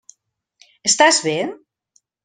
Estàs bé?